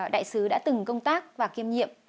đại sứ đã từng công tác và kiêm nhiệm